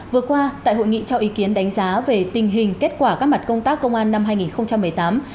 vừa qua tại hội nghị cho ý kiến đánh giá về tình hình kết quả các mặt công tác công an năm hai nghìn một mươi tám